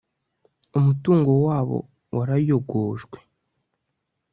umutungo wabo warayogojwe